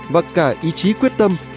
và cả ý chí quyết tâm